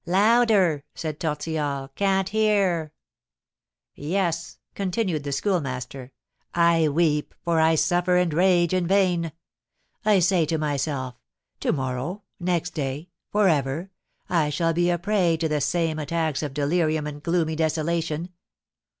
"Louder," said Tortillard; "can't hear." "Yes," continued the Schoolmaster, "I weep, for I suffer and rage in vain. I say to myself, 'To morrow, next day, for ever, I shall be a prey to the same attacks of delirium and gloomy desolation.